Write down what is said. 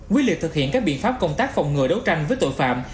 quyết liệt thực hiện các biện pháp công tác phòng ngừa đấu tranh với tội phạm